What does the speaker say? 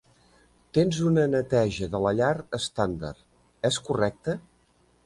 Tens una neteja de la llar estàndard, és correcte?